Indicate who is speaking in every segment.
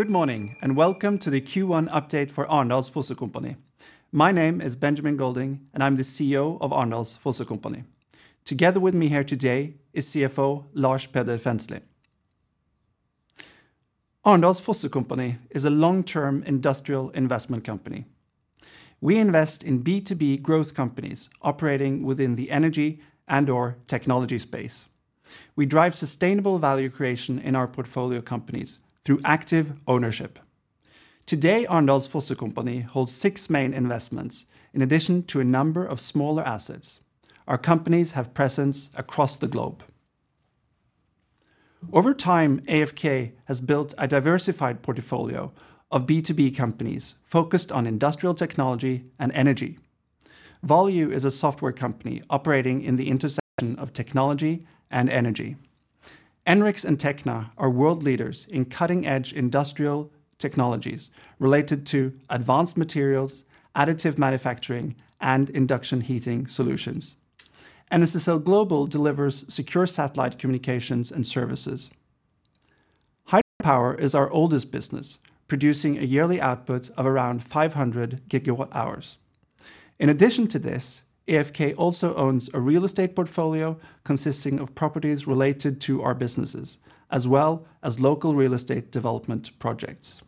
Speaker 1: Good morning, welcome to the Q1 update for Arendals Fossekompani. My name is Benjamin Golding, and I'm the CEO of Arendals Fossekompani. Together with me here today is CFO Lars Peder Fensli. Arendals Fossekompani is a long-term industrial investment company. We invest in B2B growth companies operating within the energy and/or technology space. We drive sustainable value creation in our portfolio companies through active ownership. Today, Arendals Fossekompani holds six main investments in addition to a number of smaller assets. Our companies have presence across the globe. Over time, AFK has built a diversified portfolio of B2B companies focused on industrial technology and energy. Volue is a software company operating in the intersection of technology and energy. ENRX and Tekna are world leaders in cutting-edge industrial technologies related to advanced materials, additive manufacturing, and induction heating solutions. NSSLGlobal delivers secure satellite communications and services. Hydropower is our oldest business, producing a yearly output of around 500 GWh. In addition to this, AFK also owns a real estate portfolio consisting of properties related to our businesses, as well as local real estate development projects.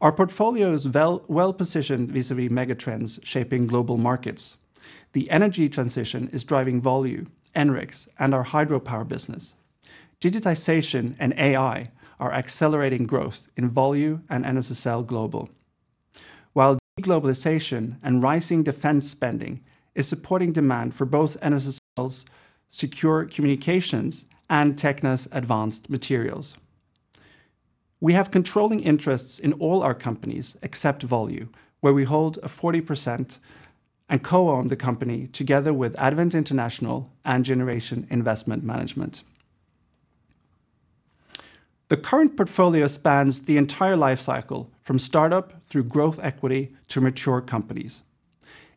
Speaker 1: Our portfolio is well-positioned vis-à-vis megatrends shaping global markets. The energy transition is driving Volue, ENRX, and our hydropower business. Digitization and AI are accelerating growth in Volue and NSSLGlobal, while de-globalization and rising defense spending is supporting demand for both NSSLGlobal's secure communications and Tekna's advanced materials. We have controlling interests in all our companies except Volue, where we hold a 40% and co-own the company together with Advent International and Generation Investment Management. The current portfolio spans the entire life cycle from startup through growth equity to mature companies.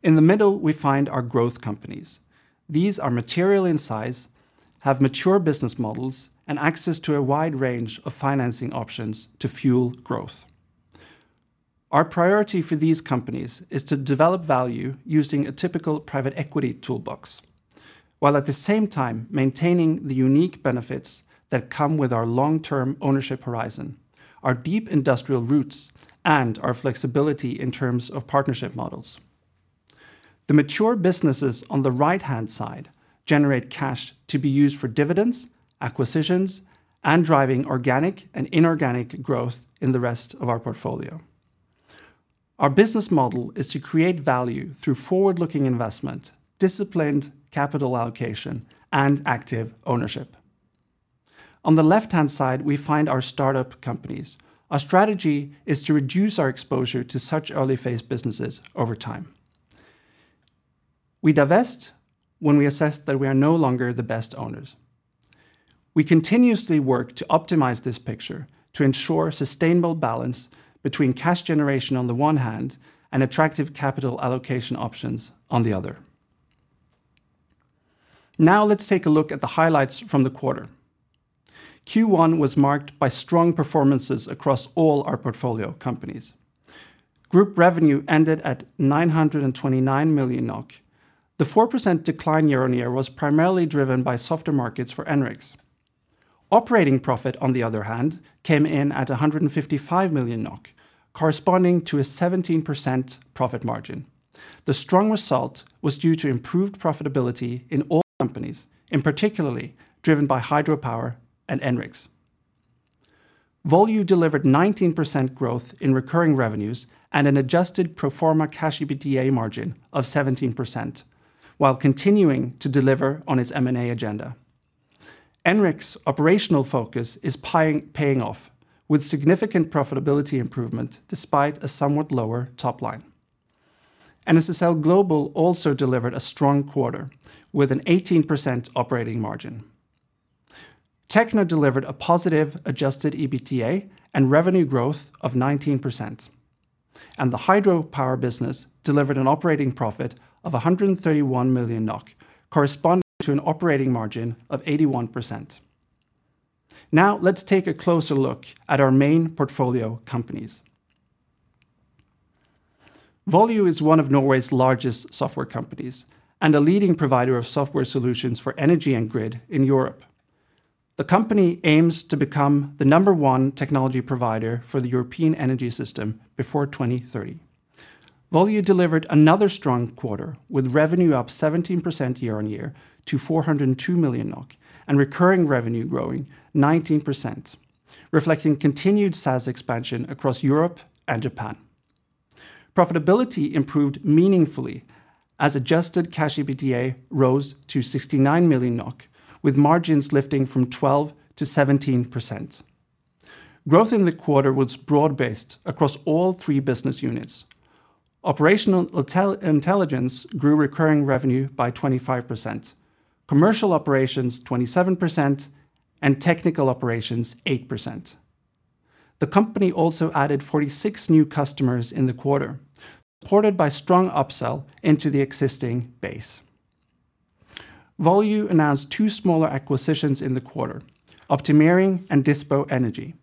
Speaker 1: In the middle, we find our growth companies. These are material in size, have mature business models, and access to a wide range of financing options to fuel growth. Our priority for these companies is to develop value using a typical private equity toolbox, while at the same time maintaining the unique benefits that come with our long-term ownership horizon, our deep industrial roots, and our flexibility in terms of partnership models. The mature businesses on the right-hand side generate cash to be used for dividends, acquisitions, and driving organic and inorganic growth in the rest of our portfolio. Our business model is to create value through forward-looking investment, disciplined capital allocation, and active ownership. On the left-hand side, we find our startup companies. Our strategy is to reduce our exposure to such early-phase businesses over time. We divest when we assess that we are no longer the best owners. We continuously work to optimize this picture to ensure sustainable balance between cash generation on the one hand and attractive capital allocation options on the other. Let's take a look at the highlights from the quarter. Q1 was marked by strong performances across all our portfolio companies. Group revenue ended at 929 million NOK. The 4% decline year-on-year was primarily driven by softer markets for ENRX. Operating profit, on the other hand, came in at 155 million NOK, corresponding to a 17% profit margin. The strong result was due to improved profitability in all companies, and particularly driven by hydropower and ENRX. Volue delivered 19% growth in recurring revenues and an adjusted pro forma cash EBITDA margin of 17% while continuing to deliver on its M&A agenda. ENRX operational focus is paying off with significant profitability improvement despite a somewhat lower top line. NSSLGlobal also delivered a strong quarter with an 18% operating margin. Tekna delivered a positive adjusted EBITDA and revenue growth of 19%, and the hydropower business delivered an operating profit of 131 million NOK, corresponding to an operating margin of 81%. Let's take a closer look at our main portfolio companies. Volue is one of Norway's largest software companies and a leading provider of software solutions for energy and grid in Europe. The company aims to become the number 1 technology provider for the European energy system before 2030. Volue delivered another strong quarter, with revenue up 17% year-on-year to 402 million NOK and recurring revenue growing 19%, reflecting continued SaaS expansion across Europe and Japan. Profitability improved meaningfully as adjusted cash EBITDA rose to 69 million NOK, with margins lifting from 12%-17%. Growth in the quarter was broad-based across all three business units. Operational intelligence grew recurring revenue by 25%, commercial operations 27%, and technical operations 8%. The company also added 46 new customers in the quarter, supported by strong upsell into the existing base. Volue announced two smaller acquisitions in the quarter, Optimeering and dispoEnergy.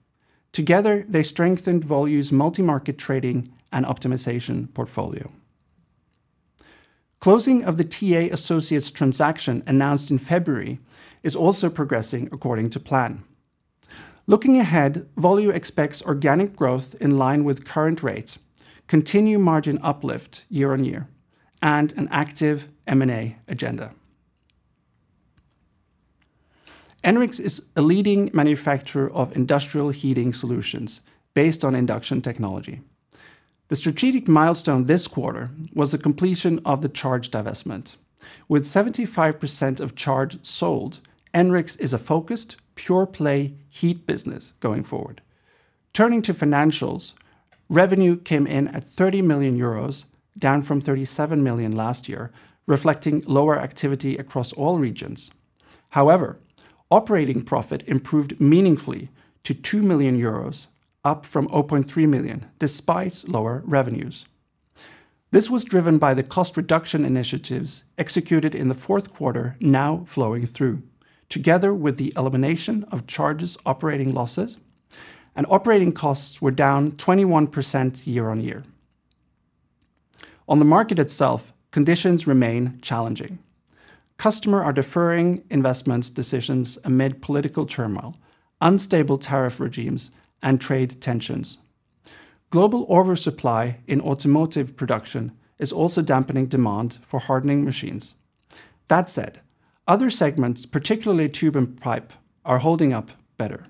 Speaker 1: Together, they strengthened Volue's multimarket trading and optimization portfolio. Closing of the TA Associates transaction announced in February is also progressing according to plan. Looking ahead, Volue expects organic growth in line with current rate, continue margin uplift year-on-year, and an active M&A agenda. ENRX is a leading manufacturer of industrial heating solutions based on induction technology. The strategic milestone this quarter was the completion of the Charge divestment. With 75% of Charge sold, ENRX is a focused pure play heat business going forward. Turning to financials, revenue came in at 30 million euros, down from 37 million last year, reflecting lower activity across all regions. Operating profit improved meaningfully to 2 million euros, up from 0.3 million despite lower revenues. This was driven by the cost reduction initiatives executed in the Q4 now flowing through, together with the elimination of Charge's operating losses, and operating costs were down 21% year-on-year. On the market itself, conditions remain challenging. Customers are deferring investment decisions amid political turmoil, unstable tariff regimes, and trade tensions. Global oversupply in automotive production is also dampening demand for hardening machines. That said, other segments, particularly tube and pipe, are holding up better.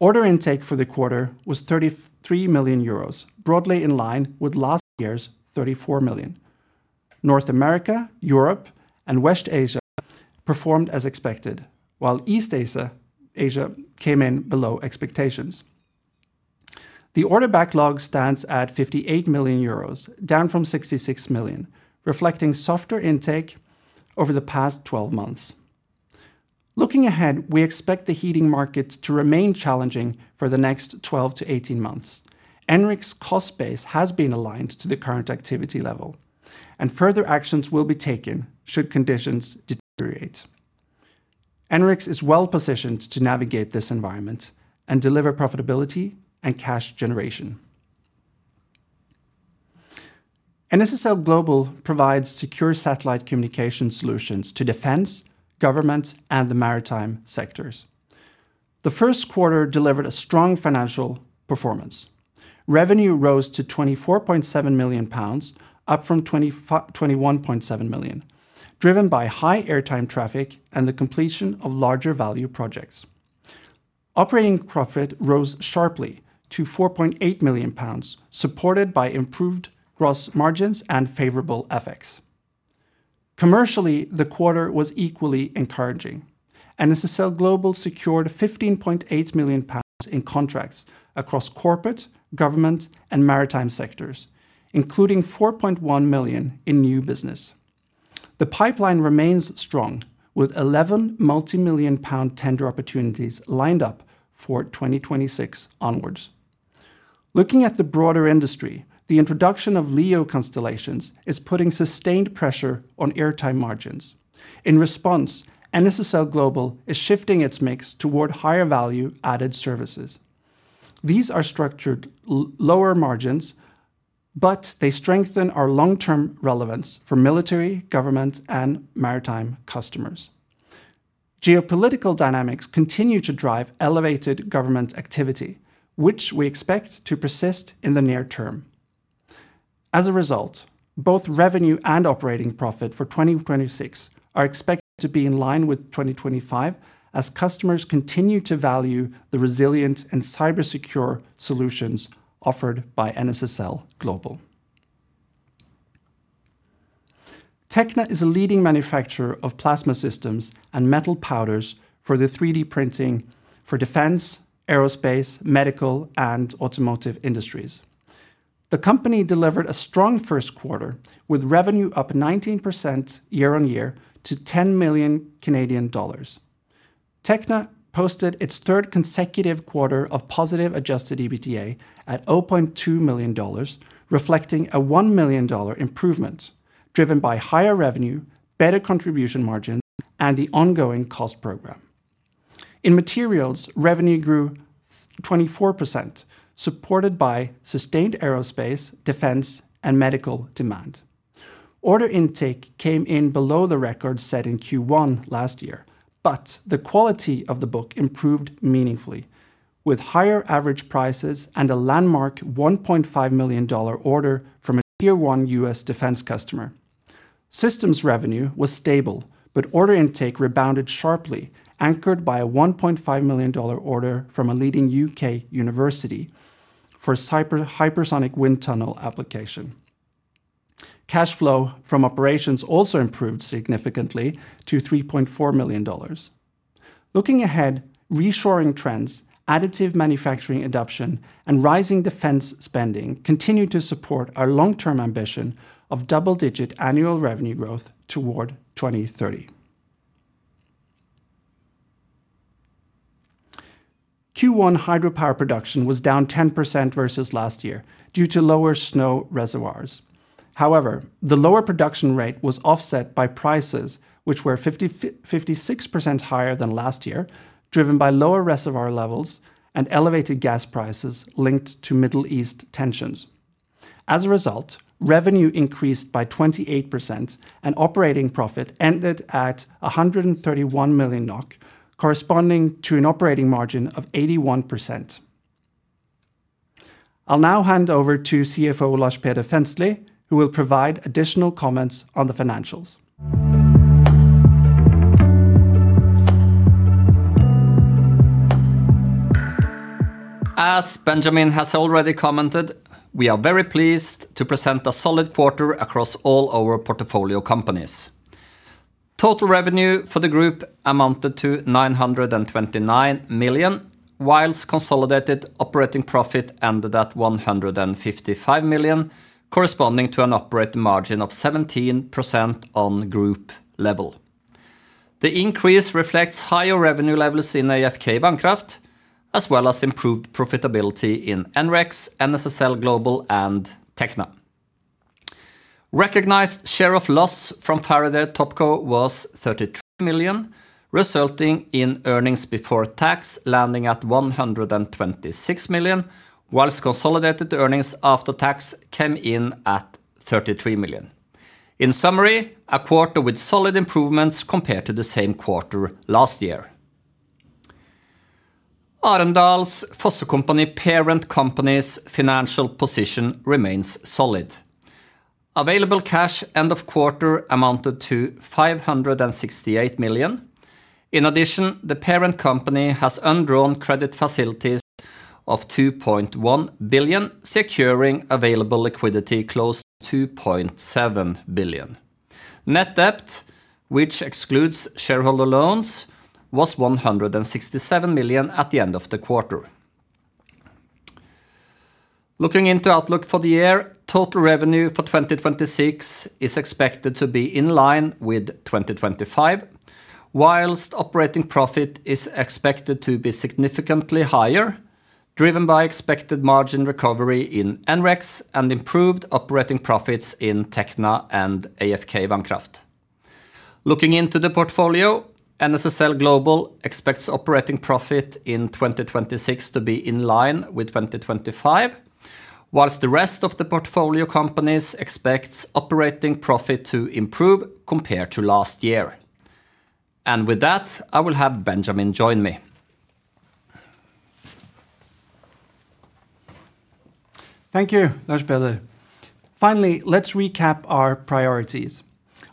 Speaker 1: Order intake for the quarter was 33 million euros, broadly in line with last year's 34 million. North America, Europe, and West Asia came in below expectations. The order backlog stands at 58 million euros, down from 66 million, reflecting softer intake over the past 12 months. Looking ahead, we expect the heating market to remain challenging for the next 12-18 months. ENRX cost base has been aligned to the current activity level. Further actions will be taken should conditions deteriorate. ENRX is well-positioned to navigate this environment and deliver profitability and cash generation. NSSLGlobal provides secure satellite communication solutions to defense, government, and the maritime sectors. The Q1 delivered a strong financial performance. Revenue rose to 24.7 million pounds, up from 21.7 million, driven by high airtime traffic and the completion of larger value projects. Operating profit rose sharply to 4.8 million pounds, supported by improved gross margins and favorable FX. Commercially, the quarter was equally encouraging. NSSLGlobal secured 15.8 million pounds in contracts across corporate, government, and maritime sectors, including 4.1 million in new business. The pipeline remains strong with 11 multimillion-pound tender opportunities lined up for 2026 onwards. Looking at the broader industry, the introduction of LEO constellations is putting sustained pressure on airtime margins. In response, NSSLGlobal is shifting its mix toward higher value added services. These are structured lower margins, they strengthen our long-term relevance for military, government, and maritime customers. Geopolitical dynamics continue to drive elevated government activity, which we expect to persist in the near term. As a result, both revenue and operating profit for 2026 are expected to be in line with 2025 as customers continue to value the resilient and cybersecure solutions offered by NSSLGlobal. Tekna is a leading manufacturer of plasma systems and metal powders for the 3D printing for defense, aerospace, medical, and automotive industries. The company delivered a strong Q1 with revenue up 19% year-on-year to CAD 10 million. Tekna posted its third consecutive quarter of positive adjusted EBITDA at NOK 0.2 million, reflecting a NOK 1 million improvement driven by higher revenue, better contribution margin, and the ongoing cost program. In materials, revenue grew 24%, supported by sustained aerospace, defense, and medical demand. Order intake came in below the record set in Q1 last year, but the quality of the book improved meaningfully with higher average prices and a landmark $1.5 million order from a Tier-1 U.S. defense customer. Systems revenue was stable, but order intake rebounded sharply, anchored by a $1.5 million order from a leading U.K. university for cyber- hypersonic wind tunnel application. Cash flow from operations also improved significantly to $3.4 million. Looking ahead, reshoring trends, additive manufacturing adoption, and rising defense spending continue to support our long-term ambition of double-digit annual revenue growth toward 2030. Q1 hydropower production was down 10% versus last year due to lower snow reservoirs. However, the lower production rate was offset by prices which were 56% higher than last year, driven by lower reservoir levels and elevated gas prices linked to Middle East tensions. As a result, revenue increased by 28% and operating profit ended at 131 million NOK, corresponding to an operating margin of 81%. I'll now hand over to CFO Lars Peder Fensli, who will provide additional comments on the financials.
Speaker 2: As Benjamin has already commented, we are very pleased to present a solid quarter across all our portfolio companies. Total revenue for the group amounted to 929 million, while consolidated operating profit ended at 155 million, corresponding to an operating margin of 17% on group level. The increase reflects higher revenue levels in AFK Vannkraft, as well as improved profitability in ENRX, NSSLGlobal, and Tekna. Recognized share of loss from Faraday Topco was 32 million, resulting in earnings before tax landing at 126 million, while consolidated earnings after tax came in at 33 million. In summary, a quarter with solid improvements compared to the same quarter last year. Arendals Fossekompani parent company's financial position remains solid. Available cash end of quarter amounted to 568 million. In addition, the parent company has undrawn credit facilities of 2.1 billion, securing available liquidity close to 2.7 billion. Net debt, which excludes shareholder loans, was 167 million at the end of the quarter. Looking into outlook for the year, total revenue for 2026 is expected to be in line with 2025, whilst operating profit is expected to be significantly higher, driven by expected margin recovery in ENRX and improved operating profits in Tekna and AFK Vannkraft. Looking into the portfolio, NSSLGlobal expects operating profit in 2026 to be in line with 2025, whilst the rest of the portfolio companies expects operating profit to improve compared to last year. With that, I will have Benjamin join me.
Speaker 1: Thank you, Lars Peder. Let's recap our priorities.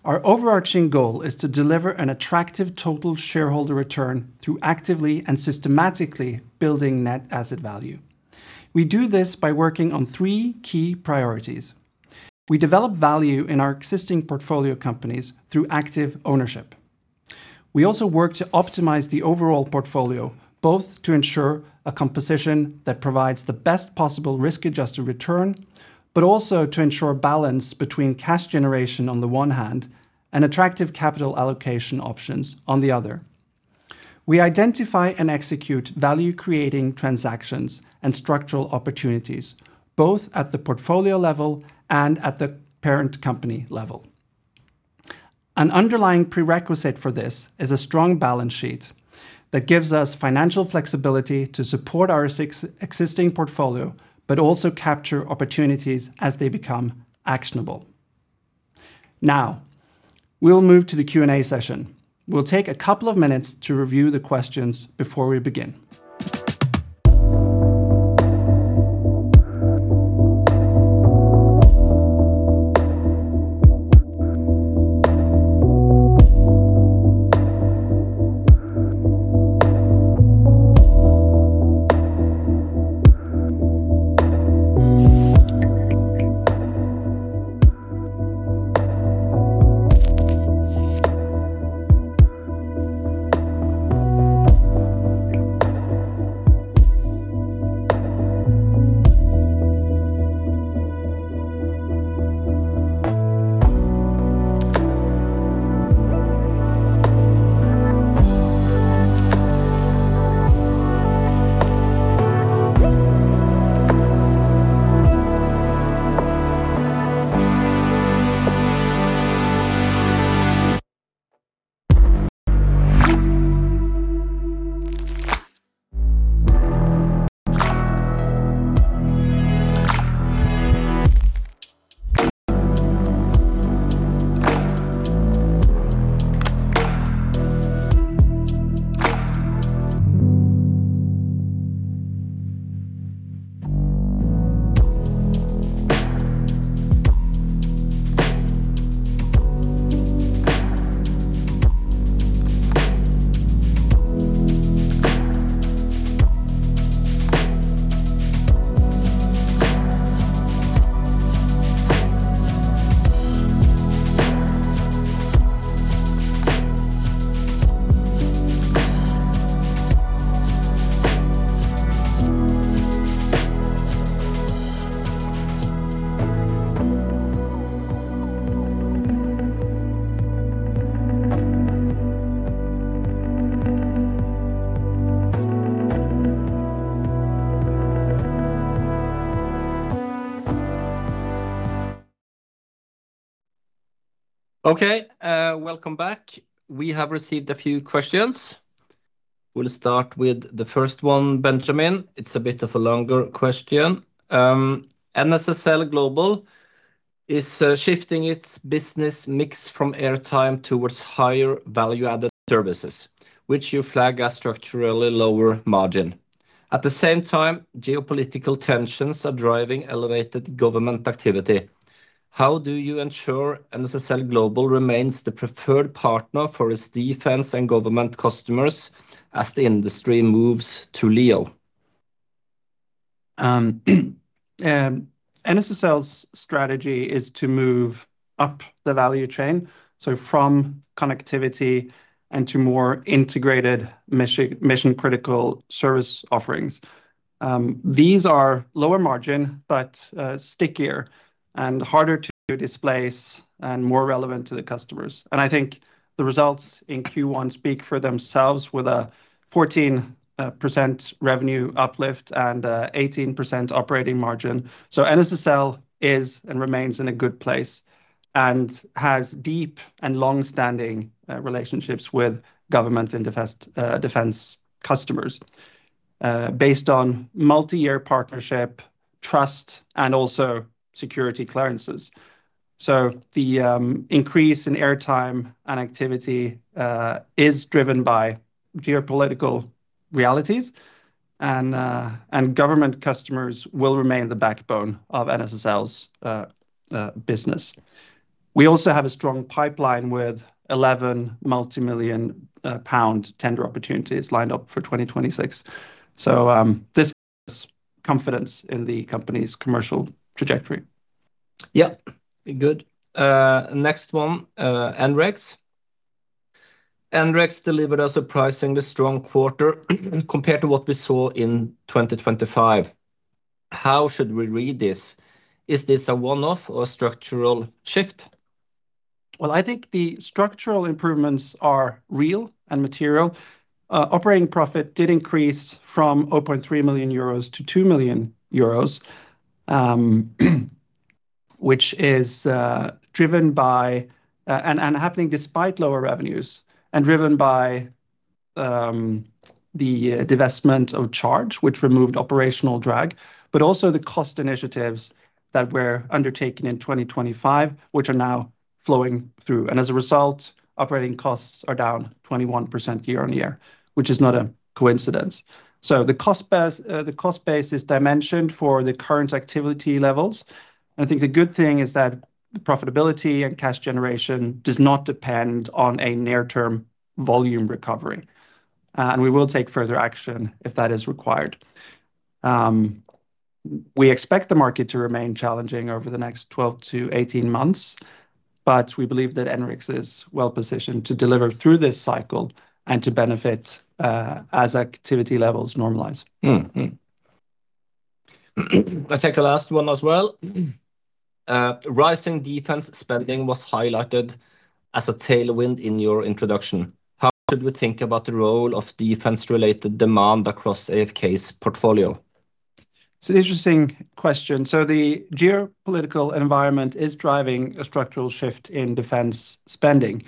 Speaker 1: Our overarching goal is to deliver an attractive total shareholder return through actively and systematically building net asset value. We do this by working on three key priorities. We develop value in our existing portfolio companies through active ownership. We also work to optimize the overall portfolio, both to ensure a composition that provides the best possible risk-adjusted return, but also to ensure balance between cash generation on the one hand and attractive capital allocation options on the other. We identify and execute value-creating transactions and structural opportunities, both at the portfolio level and at the parent company level. An underlying prerequisite for this is a strong balance sheet that gives us financial flexibility to support our existing portfolio but also capture opportunities as they become actionable. We will move to the Q&A session. We will take a couple of minutes to review the questions before we begin.
Speaker 3: Okay, welcome back. We have received a few questions. We'll start with the first one, Benjamin. It's a bit of a longer question. NSSLGlobal is shifting its business mix from airtime towards higher value-added services, which you flag a structurally lower margin. At the same time, geopolitical tensions are driving elevated government activity. How do you ensure NSSLGlobal remains the preferred partner for its defense and government customers as the industry moves to LEO?
Speaker 1: NSSL's strategy is to move up the value chain, from connectivity and to more integrated mission-critical service offerings. These are lower margin but stickier and harder to displace and more relevant to the customers. I think the results in Q1 speak for themselves with a 14% revenue uplift and 18% operating margin. NSSL is and remains in a good place and has deep and long-standing relationships with government and defense customers, based on multi-year partnership, trust, and also security clearances. The increase in airtime and activity is driven by geopolitical realities and government customers will remain the backbone of NSSL's business. We also have a strong pipeline with 11 multi-million pound tender opportunities lined up for 2026. This gives us confidence in the company's commercial trajectory.
Speaker 3: Good. Next one, ENRX. ENRX delivered a surprisingly strong quarter compared to what we saw in 2025. How should we read this? Is this a one-off or structural shift?
Speaker 1: Well, I think the structural improvements are real and material. Operating profit did increase from 0.3 million euros to 2 million euros, which is driven by and happening despite lower revenues and driven by the divestment of Charge which removed operational drag but also the cost initiatives that were undertaken in 2025 which are now flowing through. As a result, operating costs are down 21% year-on-year which is not a coincidence. The cost base is dimensioned for the current activity levels. I think the good thing is that the profitability and cash generation does not depend on a near-term volume recovery. We will take further action if that is required. We expect the market to remain challenging over the next 12-18 months, but we believe that ENRX is well positioned to deliver through this cycle and to benefit, as activity levels normalize.
Speaker 3: I'll take the last one as well. Rising defense spending was highlighted as a tailwind in your introduction. How should we think about the role of defense-related demand across AFK's portfolio?
Speaker 1: It's an interesting question. The geopolitical environment is driving a structural shift in defense spending.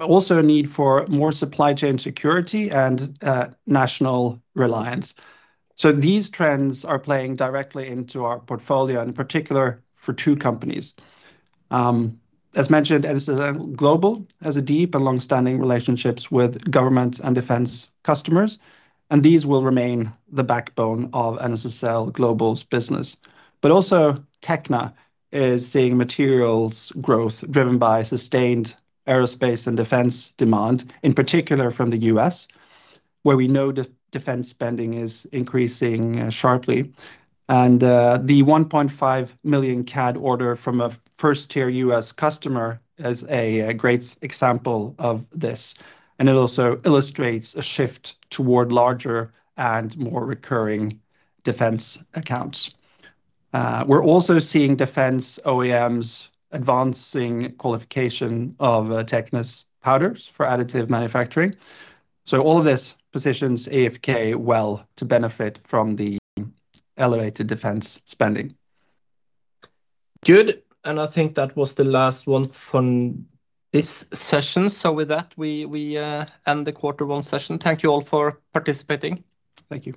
Speaker 1: A need for more supply chain security and national reliance. These trends are playing directly into our portfolio, in particular for two companies. As mentioned, NSSLGlobal has a deep and long-standing relationships with government and defense customers, and these will remain the backbone of NSSLGlobal's business. Also Tekna is seeing materials growth driven by sustained aerospace and defense demand, in particular from the U.S., where we know defense spending is increasing sharply. The 1.5 million CAD order from a Tier-1 U.S. customer is a great example of this, and it also illustrates a shift toward larger and more recurring defense accounts. We're also seeing defense OEMs advancing qualification of Tekna's powders for additive manufacturing. All of these positions AFK well to benefit from the elevated defense spending.
Speaker 3: Good. I think that was the last one from this session. With that, we end the quarter one session. Thank you all for participating.
Speaker 1: Thank you.